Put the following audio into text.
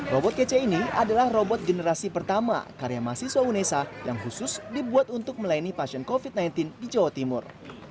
robot kece ini adalah robot generasi pertama karya mahasiswa unesa yang khusus dibuat untuk melayani pasien covid sembilan belas di jawa timur